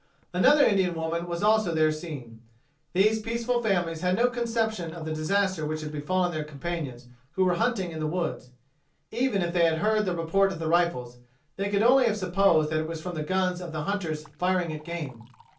Another Indian woman was also there seen. These peaceful families had no conception of the disaster which had befallen their companions who were hunting in the woods. Even if they had heard the report of the rifles, they could only have supposed that it was from the guns of the hunters firing at game.